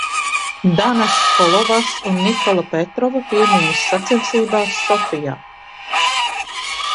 Danas Kolovas un Nikola Petrova piemiņas sacensībās Sofijā.